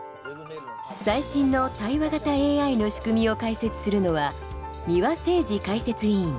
最新の対話型ＡＩの仕組みを解説するのは三輪誠司解説委員。